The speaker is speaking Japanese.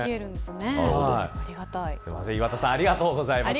岩田さんありがとうございます。